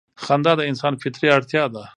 خندا د انسان فطري اړتیا ده.